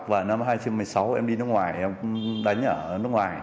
và năm hai nghìn một mươi sáu em đi nước ngoài em đánh ở nước ngoài